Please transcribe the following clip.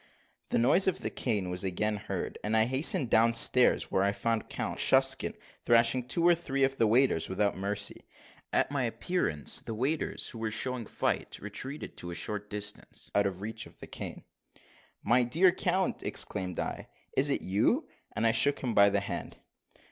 The noise of the cane was again heard; and I hastened downstairs, where I found Count Shucksen thrashing two or three of the waiters without mercy. At my appearance, the waiters, who were showing fight, retreated to a short distance, out of reach of the cane. "My dear count," exclaimed I, "is it you?" and I shook him by the hand.